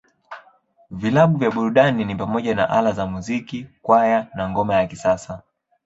Vilabu vya burudani ni pamoja na Ala za Muziki, Kwaya, na Ngoma ya Kisasa.